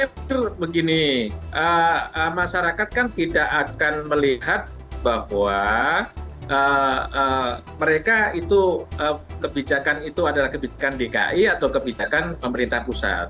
saya pikir begini masyarakat kan tidak akan melihat bahwa mereka itu kebijakan itu adalah kebijakan dki atau kebijakan pemerintah pusat